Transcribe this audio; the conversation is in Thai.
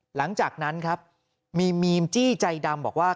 หลังจากนั้นครับมีมีมจี้ใจดำบอกว่า